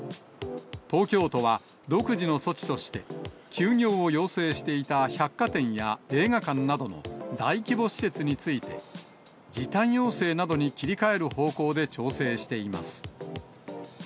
東京都は独自の措置として、休業を要請していた百貨店や映画館などの大規模施設について、時短要請などに切り替える方向で調整しています。